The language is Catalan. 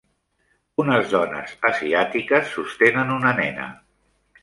Unes dones asiàtiques sostenen una nena.